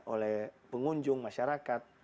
oleh pengunjung masyarakat